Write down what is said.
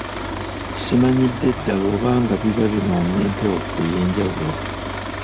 Simanyidde ddala oba nga biba binoonya empewo ey'enjawulo.